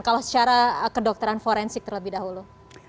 kalau secara kedokteran forensik terlebih dahulu